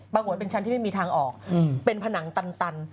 หัวเป็นชั้นที่ไม่มีทางออกเป็นผนังตัน